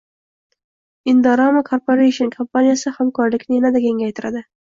“Indorama Corporation” kompaniyasi hamkorlikni yanada kengaytiradi